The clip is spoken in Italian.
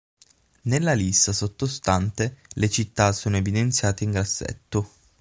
Nella lista sottostante le città sono evidenziate in grassetto.